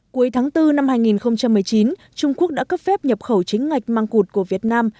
cuối tháng bốn năm hai nghìn một mươi chín trung quốc đã cấp phép nhập khẩu chính ngạch măng cụt của việt nam